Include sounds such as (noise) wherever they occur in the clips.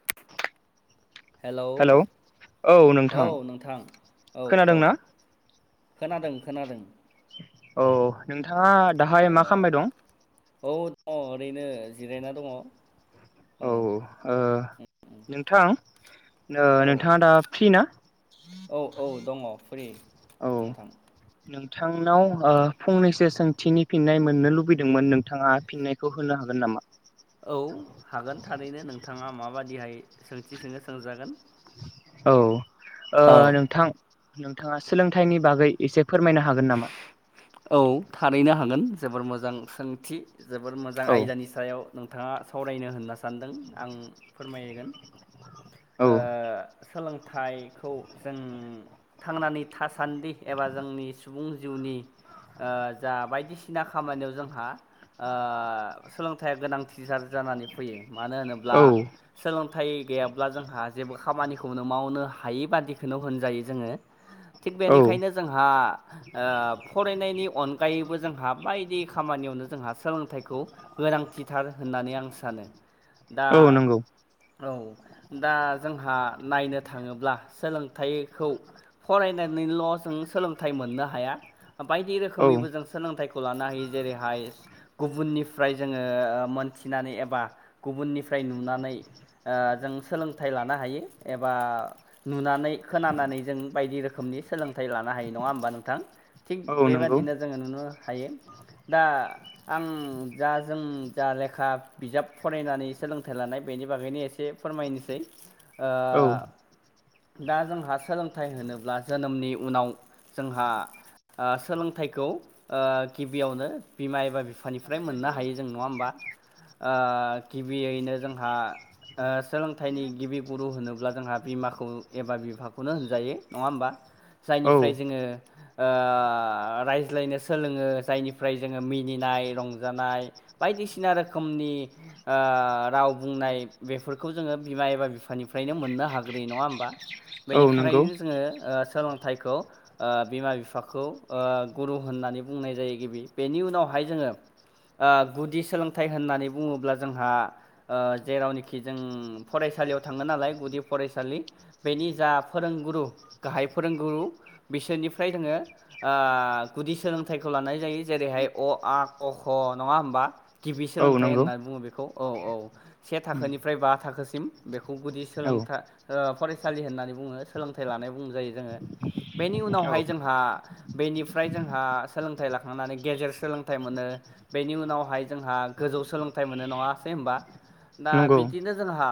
(inaudible) Hello औ नोंथां औ नोंथां औ औ। खोनादोंना खोनादों खोनादों। औ नोंथाङा दाहाय ओ मा खामबाय दं? औ दङ ओरैनो जिरायना दङ औ। औ ओ नोंथां औ नोंथाङा दा फ्रि ना? औ औ दङ फ्रि। औ, नोंथां नोंथांनाव औ ओ फंनैसो सोंथिनि फिननाय मोननो लुबैदोंमोन नोंथाङा फिननायखौ होनो हागोन नामा? औ, हागोन थारैनो नोंथाङा माबादिहाय सोंथि सोंनो सोंजागोन। औ, ओ औ नोंथां नोंथाङा सोलोंथाइनि बागै एसे फोरमायनो हागोन नामा औ थारैनो हागोन जोबोर मोजां सोंथि। जोबोर मोजां औ आयदानि सायाव। नोंथाङा सावरायनो होनना सानदों आं फोरमायगोन। औ ओ, सोलोंथाइखौ जों थांनानै थासान्दि एबा जोंनि सुबुं जिउनि ओ जा बायदिसिना खामानियाव जोंहा आ, सोलोंथाइया गोनांथिथार जानानै फैयो। मानो होनोब्ला औ सोलो थाय गैयाब्ला जोंहा जेबो खामानिखौनो मावनो हायि बादिखौनो होनजायो जोङो। थिग औ बेनिखायनो जोंहा आ फरायनायनि अनगायैबो जोंहा बायदि खामानियावनो जोंहा सोलोंथाइखौ गोनां थिथार होननानै आं सानो। दा, औ नंगौ औ दा जोंहा नायनो थाङोब्ला सोलोंथाइखौ फरायनानैल' जों सोलोंथाइ मोननो हा हाया। बायदि औ रोखोमैबो जों सोलोंथाइखौ लानो हायो जेरैहाय गुबुननिफ्राय जोङो ओ, मोनथिनानै एबा गुबुननिफ्राय नुनानै ओ, जों सोलोंथाइ लानो हायो एबा नुनानै खोनानानै जों बायदि रोखोम नि सोलोंथाइ लानो हायो। नङा होमबा नोंथां? थिग औ नंगौ बेबायदिनो जोङो नुनो हायो दा आं जा जों जा लेखा बिजाब फरायनानै सोलोंथाइ लानाय बे बेनि बागैनो एसे फोरमायनोसै ओ औ दा जोंहा सोलोंथाइ होनोब्ला जोनोमनि उनाव जोंहा आ, सोलोंथाइखौ आ, गिबियैनो जोंहा आ, सोलोंथाइनि गिबि गुरु होनोब्ला जोंहा बिमाखौ एबा बिफाखौनो होनजायो नङा होमबा? औ जायनिफ्राय जोङो, आ आ रायज्लायनो सोलोङो जायनिफ्राय जोङो मिनिनाय रंजानाय बायदिसिना रोखोमनि नि आ राव बुंनाय बेफोरखौ जोङो बिमा एबा बिफानिफ्रायनो मोननो हाग्रोयो नङा होमबा? औ नंगौ बेनिख्रायनो जोङो ओ, सोलोंथाइखौ ओ बिमा बिफा फाखौ आ, गुरु होननानै बुंनाय जायो गिबि। बेनि उनावहाय जोङो आ, गुदि सोलोंथाइ होननानै बुङोब्ला जोंहा आ जेरावनोखि जों फराय फरायसालियाव थाङो नालाय गुदि फरायसालि बेनि जा फोरोंगुरु, गाहाय फोरोंगुरु बिसोरनिफ्राय जोङो आ गुदि सोलोंथाइखौ लानाय जायो जेरैहाय अ, आ, क, ख नङा होमबा? गिबि औ सोलोंथाइ नंगौ होननानै बुङो बेखौ औ औ से थाखोनिफ्राय बा थाखोसिम बेखौ गुदि औ सोलोंथाइ ओ फरायसालि होननानै बुङो सोलोंथाइ लानाय बुंजायो जोङो बेनि औ उनावहाय जोंहा बेनिफ्राय जोंहा सोलोंथाइ लाखांनानै गेजेर सोलोंथाइ मोनो बेनि उनावहाय जोंहा गोजौ सोलोंथाइ मोनो नङासै होनबा दा नंगौ बिदिनो जोंहा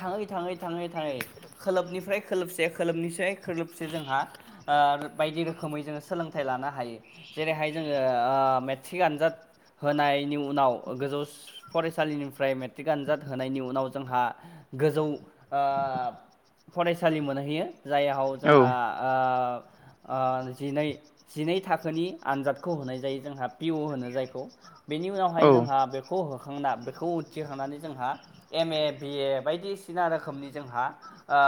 थाङै थाङै थाङै थाङै खोलोबनिफ्राय खोलोबसे खोलोबनिफ्राय खोलोबसे जोंहा आर बायदि रोखोमै जोङो सोलोंथाइ लानो हायो जेरैहाय जोङो ओ मेट्रिक आनजाद होनायनि उनाव गोजौ फरायसालिनिफ्राय मेट्रिक आनजाद होनायनि उनाव जोंहा गोजौ ओ। फरायसालि मोनहैयो जाययाव औ जोंहा आ आ जिनै जिनै थाखोनि आनजादखौ होनाय जायो जोंहा पिअ होनो जायखौ बे उनावहाय औ जोंहा बेखौ होखांना बेखौ उथ्रिखांनानै जोंहा एमे बिए बायदिसिना रोखोमनि जोंहा ओ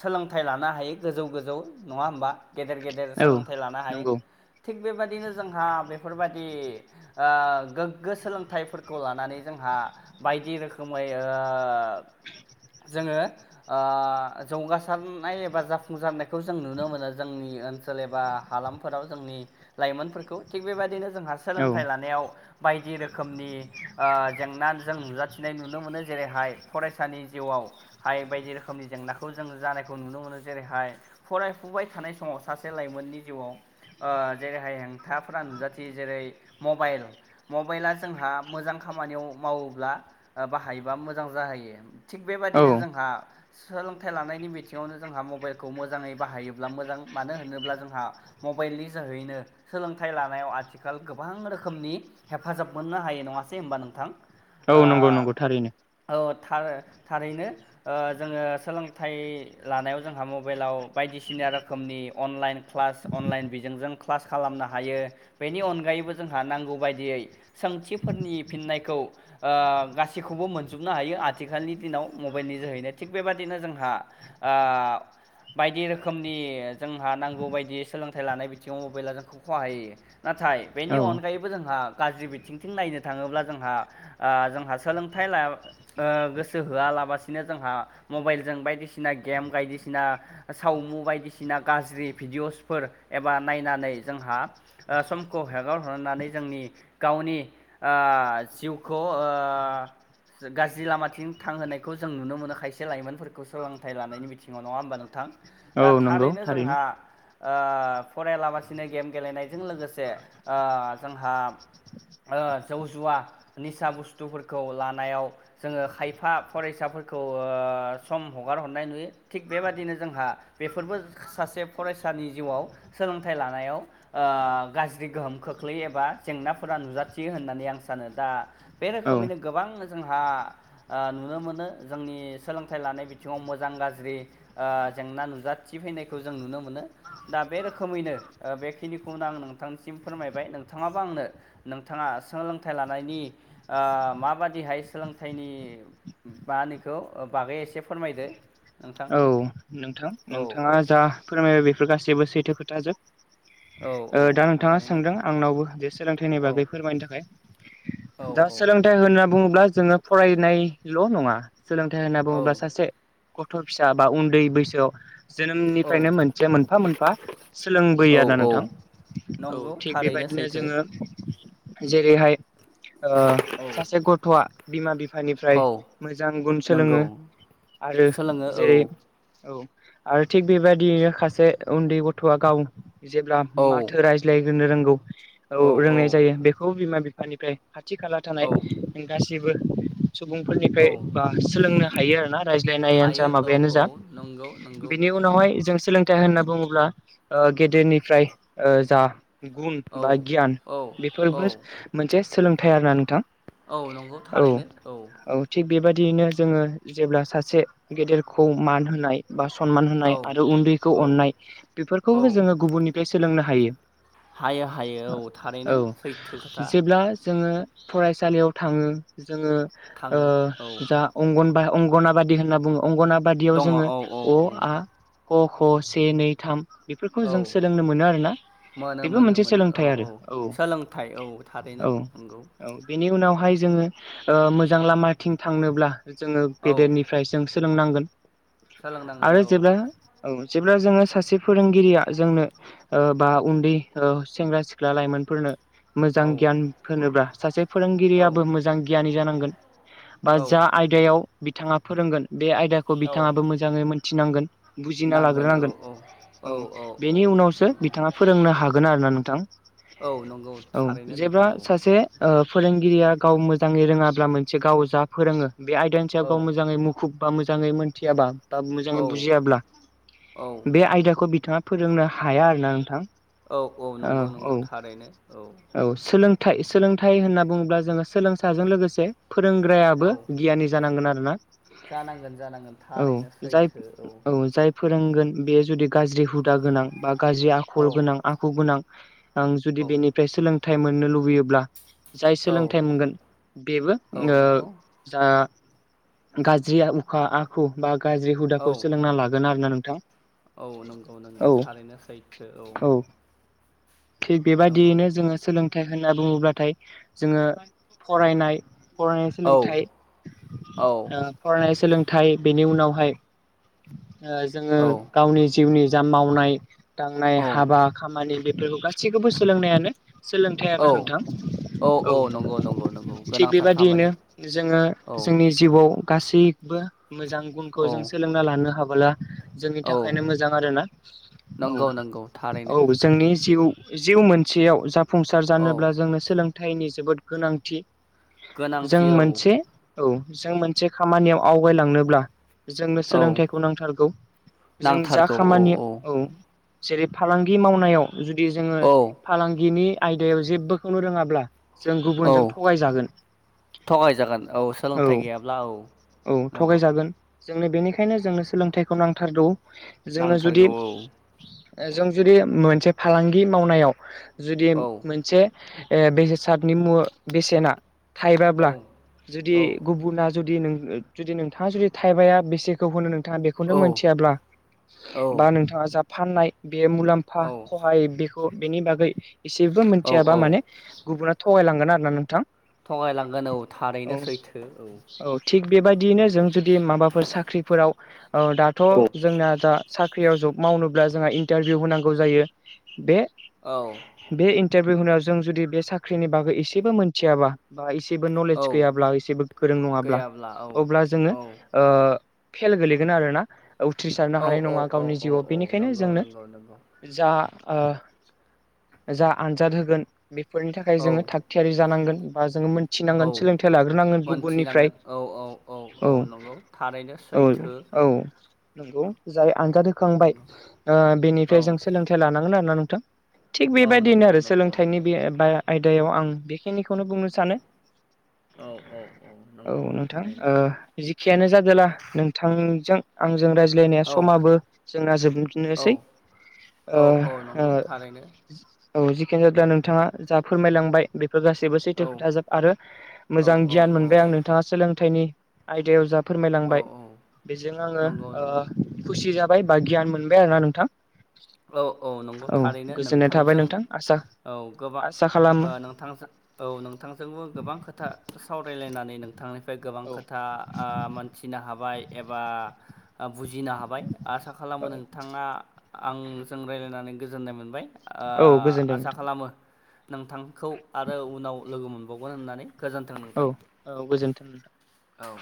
सोलोंथाइ लानो हायो गोजौ गोजौ नङा होमबा? गेदेर गेदेर औ सोलोंथाइ लानो हायो। नंगौ थिग बेबादिनो जोंहा बेफोरबायदि ओ गोग्गो सोलोंथाइफोरखौ लानानै जोंहा बायदि रोखोमै ओ जोङो ओ जौगासारनाय एबा जाफुंसारनायखौ जों नुनो मोनो। जोंनि ओनसोल एबा हालामफोराव जोंनि लाइमोनफोरखौ थिग बेबायदिनो जोंहा औ सोलोंथाइ लानायाव बायदि रोखोमनि ओ जेंना जों नुजाथिनाय नुनो मोनो जेरैहाय फरायसानि जिउआवहाय बायदि रोखोमनि जेंनाखौ जों जानायखौ नुनो मोनो जेरैहाय फरायफुबाय थानाय समाव सासे लाइमोननि जिउआव ओ जेरैहाय हेंथाफोरा नुजाथि जेरै मबाइल मबाइला जोंहा मोजां खामानियाव मावोब्ला बाहायोबा मोजां जाहैयो थिग औ बेबायदिनो जोंहा सोलोंथाइ लानायनि बिथिङावनो जोंहा मबाइलखौ मोजाङै बाहायो। मोजां मानो होनोब्ला जोंहा मबाइलनि जोहैनो सोलोंथाइ लानायाव आथिखाल गोबां रोखोम रोखोमनि हेफाजाब मोननो हायो नङासै हबा नोंथां औ नंगौ नंगौ थारैनो ओ औ थार थारैनो ओ जोङो सोलोंथाइ लानायाव जोंहा मबाइलाव बायदिसिना सिना रोखोमनि अनलाइन क्लास अनलाइन बिजोंजों क्लास खालामनो हायो बेनि अनगायैबो जों आंहा नांगौ बायदियै सोंथिफोरनि फिननायखौ ओ गासैखौबो मोनजोबनो हायो। आथिखालनि दिनाव मबाइलनि जोहैनो थिग बेबदिनो जोंहा आ बायदि रोखोम रोखोमनि जोंहा नांगौ बायदि सोलोंथाइ लानाय बिथिङाव मबेला जोंखौ हहाय होयो नाथाय बेनि औ अनगायैबो जोंहा गाज्रि बिथिंथिं नायनो थाङोब्ला जोंहा ओ जोंहा सोलोंथाइ ला ओ गोसो होआलाबसिनो जोंहा मबाइलजों बायदिसिना गेम बायदिसिना सावमु बायदिसिना गाज्रि भिडिअ'सफोर एबा नायनानै जोंहा ओ समखौ हगार हरनानै जोंनि गावनि ओ जिउखौ ओ गाज्रि लामाथिं थांहोनायखौ जों नुनो मोनो खायसे लाइमोनफोरखौ सोलोंथाइ लानायनि बिथिङाव नङा होमबा नोंथां? औ दा नंगौ थारैनो जोंहा आ फरायलाबसिनो गेम गेलेनायजों लोगोसे ओ जोंहा ओ जौ जुवा निसा बुस्थुफोरखौ लानायाव जोङो खायफा फरायसाफोर फोरखौ ओ सम हगार हरनाय नुयो थिग बेबादिनो जोंहा बेफोरबो सासे फरायसानि जिउआव सोलोंथाइ लानायाव ओ गाज्रि गोहोम। खोख्लै एबा जेंनाफोरा नुजाथियो होननानै आं सानो दा बे औ रोखोमैनो गोबां जोंहा ओ नुनो मोनो जोंनि सोलोंथाइ लानाय बिथिङाव मोजां गाज्रि ओ जेंना नुजाथि फैनायखौ जों नुनो मोनो दा बे रोखोमैनो बेखिनिखौनो आं नोंथांसिम फोरमायबाय नोंथाङाबा आंनो नोंथाङा सोलोंथाइ लानायनि ओ माबादिहाय सोलोंथाइनि मानिखौ बागै एसे फोरमायदो नोंथां। औ नोंथां औ नोंथाङा जा औ फोरमायबाय बेफोर गासैबो सैथो खोथाजोब। औ ओ औ दा नोंथाङा थारैनो सोंदों आंनावबो जे सोलोंथाइनि औ बागै फोरमायनो थाखाय। औ दा सोलोंथाइ होनना बुङोब्ला जोङो फरायनायल' नङा सोलोंथाइ होनना औ बुङोब्ला सासे गथ' फिसा बा उन्दै बैसोआव औ जोनोमनिफ्रायनो मोनसे मोनफा मोनफा सोलोंबोयो औ आरो ना औ नोंथां। औ नंगौ थिक थारैनो बेबायदि दिनो सैथो जोङो जेरैहाय ओ औ सासे गथ'आ बिमा बिफा बिफानिफ्राय औ मोजां गुन नंगौ सोलोङो आरो सोलोङो औ जेरै औ आरो थिग बेबायदियैनो सासे उन्दै गथ'आ गाव जेब्ला औ माथो रायज्लायहोनो रोंगौ औ रोंनाय जायो बेखौ बिमा बिफानिफ्राय खाथि खाला थानाय औ गासैबो सुबुंफोरनिफ्राय औ औ बा सोलोंनो हायो आरोना। रायज्लायनायानो हायो जा औ माबायानो औ जा नंगौ नंगौ। बिनि उनावहाय जों सोलोंथाइ होनना बुङोब्ला ओ गेदेरनिफ्राय जा गुन औ बा गियान औ औ बेफोरबो मोनसे सोलोंथाइ आरोना नोंथां। औ नंगौ औ थारैनो औ। बेबायदियैनो जोङो जेब्ला सासे गेदेरखौ मान होनाय बा सनमान औ होनाय आरो उन्दैखौ औ अननाय औ बेफोरखौबो जोङो गुबुननिफ्राय सोलोंनो हा औ हायो हायो औ थारैनो सैथो खोथा जेब्ला जोङो फरायसालियाव थाङो जोङो ओ थाङो औ जा अंगनबा अंगनाबादि होनना बुङो अंगनाबा दङ औ औ औ जोङो अ आ क ख से नै थाम बेफोरखौ औ जों सोलोंनो मोनो आरोना। मोनो बेबो मोनो मोनसे मोनो औ सोलोंथाइ आरो औ सोलोंथाइ औ थारैनो औ नंगौ औ बेनि उनाव हार जोंङो मोजां लामाथिं थांनोब्ला जों औ गेदेरनिफ्राय जों सोलोंनांगोन सोलोंनांगोन आरो औ जेब्ला औ जेब्ला जोङो सासे फोरोंगिरिया जोंनो बा उन्दै सेंग्रा सिख्ला लाइमोनफोरनो मोजां औ गियान होनोब्ला सासे औ फोरोंगिरियाबो मोजां गियानि जानांगोन। बा औ जा आयदायाव बिथाङा फोरोंगोन बे आयदा औ बिथाङाबो मोजाङै मिथिनांगोन। बुजिना नांगोन औ लाग्रोनांगोन औ औ बेनि उनावसो बिथाङा फोरोंनो हागो गोन आरोना नोंथां नंगौ औ थारैनो जेब्ला नोंथां औ सासे ओ फोरोंगिरिया गाव मोजाङै रोङाब्ला मोनसे गाव जा फोरोङो बे आयदानि औ सायाव गाव मोजाङै मुुखुब बा मोजाङै मोन थियाबा बा औ मोजाङै बुजियाब्ला औ बे आयदाखौ खौ बिथाङा फोरोंनो हाया आरोना नोंथां। औ औ नंगौ नंगौ थारैनो औ। थाइ सोलोंथाइ होनना बुङोब्ला जोङो सोलोंसाजों लोगोसे फोरोंग्रायाबो औ गियानि जानांगोन आरो। जानांगोन जानांगोन। औ थारैनो जाय सैथो औ जाय फोरोंगोन बेयो जुदि गाज्रि हुदा गोनां बा गाज्रि आखल औ गोनां आखु गोनां आं जुदि औ बेनिफ्राय सोलोंथाइ मोननो लुबैयोब्ला जाय औ सोलोंथाइ मोनगोन बेबो औ ओ नंगौ जा गाज्रि उखा आखु बा गाज्रि औ हुदाखौ सोलोंना लागोन आरो ना नोंथां। औ नंगौ नंगौ औ थारैनो सैथो औ। थिग नंगौ बेबायदियैनो जोङो सोलों थाइ होनना बुङोब्लाथाय जोङो फरायनाय फरायनाय औ सोलोंथाइ औ फरायनाय सोलों थाय बेनि उनावहाय ओ जोङो औ गावनि जिउनि जा मावनाय दांनाय औ हाबा खामानि बेफोरखौ गासैखौबो सोलोंनायानो सोलोंथाइ औ आरोना नोंथां औ। नंगौ नंगौ नंगौ थिग गोनांथार बेबादियैनो खामानि जोङो औ जोंनि जिउआव गासैबो मोजां गुनखौ औ जों सोलोंना लानो हाबोला जोंनि औ थाखायनो मोजां आरो ना औ नंगौ नंगौ औ थारैनो जोंनि जिउ जिउ मोनसेयाव जाफुंसार औ जानोब्ला जोंनो सोलोंथाइनि जोबोद गोनांथि जों गोनांथि औ। मोनसे औ जों मोनसे खामानियाव आवगायलांनोब्ला जोंनो औ सोलोंथाइखौ नांथारगौ जों जा नांथारगौ औ खामानि औ जेरै फालांगि मावनायाव जुदि जोङो औ फालांगिनि आयदायाव जेबोखौनो रोङाब्ला जों गुबुनजों औ थगायजागोन थगायजागोन औ सोलोंथाइ गैयाब्ला औ नंगौ थगायजागोन जोंनो बेनिखायनो जोंनो सोलोंथाइखौ नांथारगौ जोङो जुदि नांथारगौ जों जुदि मोनसे फालांगि मावनायाव जुदि औ मोनसे बेसादनि मुव बेसेना औ थाइबाब्ला जुदि औ गुबुना जुदि नों जुदि नोंथाङा जुदि थाइबाया बेसेखौ होनो नोंथाङा बेखौनो औ मोनथियाब्ला औ बा नोंथाङा जा फाननाय बे मुलाम्फा औ खौहाय बेखौ बेनि बागै एसेबो औ मोनथियाबा औ माने गुबुना थगायलांगोन आरो ना नोंथां। थगायलांगोन औ थारैनो सैथो औ। औ थिग बेबायदियैनो जों नंगौ जुदि माबाफोर साख्रिफोराव औ दाथ' जोंना दा साख्रियाव जब मावनोब्ला जोंहा इन्टारभिउ होनांगौ जायो बे औ बे इन्टारभिउ होनायाव जों जुदि बे साख्रिनि बागै एसेबो मिथियाबा बा एसे बो औ नलेज गैयाब्ला एसेबो गोरों नङाब्ला गैयाब्ला औ अब्ला जोङो औ ओ फेल गोलैगोन आरोना उथ्रिसारनो औ हानाय औ नङा औ गावनि औ जिउआव औ बेनिखायनो नंगौ जोंनो नंगौ नंगौ जा ओ जा आनजाद होगोन बेफोरनि थाखाय औ जोङो थागथियारि जानांगोन बा जोङो औ मोनथिनांगोन सोलोंथाइ लाग्रोनांगोन मोनथिनांगोन गुबुननिफ्राय। औ- औ -औ -औ नंगौ थारैनो औ सैथो। औ नंगौ जाय आनजाद होखांबाय नंगौ ओ औ बेनिफ्राय जों सोलोंथाइ लानांगोन आरोना नोंथां। थिग औ बेबायदिनो नंगौ आरो नंगौ सोलोंथाइनि नंगौ बे बा आयदायाव आं बेखिनि औ- औ- औ नंगौ। नोंथां थारैनो। ओ जेखियानो जादोंला नोंथांजों आंजों राय लायनाया औ समाबो जोंना औ जोबनोसै। औ औ ओ-ओ नंगौ थारैनो औ जिखियानो जादोला नोंथाङा जा फोरमायलांबाय बे फोर गासैबो सैथो औ खोथाजोब आरो औ मोजां औ गियान औ मोनबाय आं नोंथाङा सोलोंथाइनि आयदायाव जाब औ फोरमायलांबाय औ बेजों आङो नंगौ ओ नंगौ खुसि जाबाय। बाय बा गियान मोनबाय आरोना नोंथां। औ- औ नंगौ थारैनो गोजोननाय थाबाय नोंथांजों नोंथां आसा औ गोबा आसा खालामो ओ नोंथांजो औ नोंथांजोंबो गोबां खोथा साव सावरायलायनानै नोंथांनिफ्राय गोबां औ खोथा मोनथिनो हाबाय एबा बुजिनो हाबाय आसा खालामो औ नोंथाङा आंजों रायलायनानै गोजोननाय मोनबाय। ओ औ गोजोनदों आसा नोंथां खालामो नोंथांखौ आरो उनाव लोगो मोनबावगोन होननानै। गोजोन्थों नोंथां औ- औ गोजोन्थों नोंथां। औ